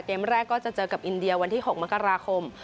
แรกก็จะเจอกับอินเดียวันที่๖มกราคม